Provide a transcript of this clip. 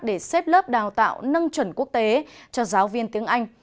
để xếp lớp đào tạo nâng chuẩn quốc tế cho giáo viên tiếng anh